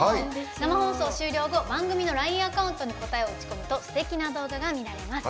生放送終了後番組のＬＩＮＥアカウントに答えを打ち込むとすてきな動画が見られます。